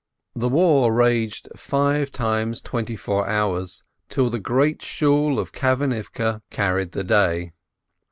The war raged five times twenty four hours, till the Great Shool in Kamenivke carried the day.